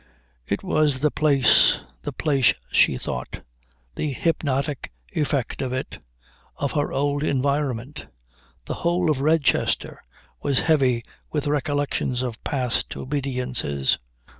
It was the place, the place, she thought, the hypnotic effect of it, of her old environment. The whole of Redchester was heavy with recollections of past obediences.